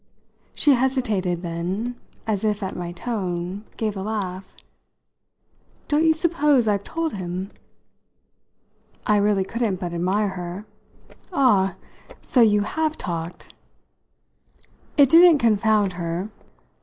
She hesitated; then, as if at my tone, gave a laugh. "Don't you suppose I've told him?" I really couldn't but admire her. "Ah so you have talked!" It didn't confound her.